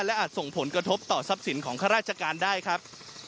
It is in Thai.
และอาจส่งผลกระทบต่อทรัพย์สินของข้าราชการได้ครับ